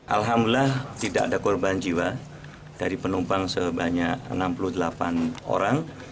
alhamdulillah tidak ada korban jiwa dari penumpang sebanyak enam puluh delapan orang